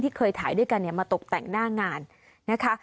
เคยถ่ายด้วยกันเนี่ยมาตกแต่งหน้างานนะคะ